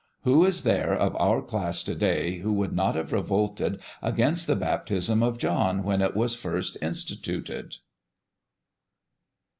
Who is there of our class to day who would not have revolted against the baptism of John when it was first instituted?